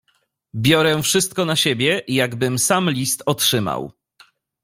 "Biorę wszystko na siebie, jakbym sam list otrzymał."